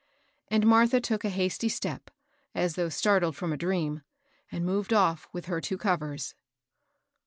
And Martha took a hasty step, as though startled firom a dream, and moved off with her two covers.